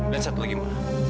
dan satu lagi ma